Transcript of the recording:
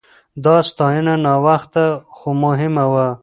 دا ستاينه ناوخته خو مهمه وه.